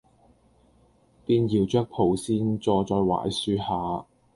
便搖著蒲扇坐在槐樹下，